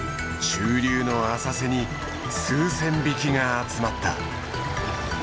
中流の浅瀬に数千匹が集まった。